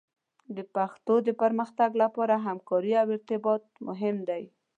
د پښتو د پرمختګ لپاره همکارۍ او ارتباط مهم دي.